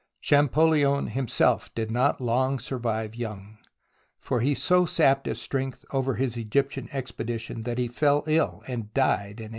Champollion himself did not long survive Young, for he so sapped his strength over his Egyptian expedition that he fell ill and died in 1832.